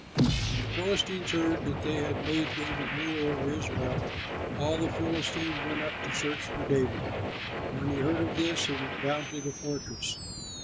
When the Philistines heard that they had made David ruler over Israel, all the Philistines went up to search for David; but when he heard of this he went down to the fortress.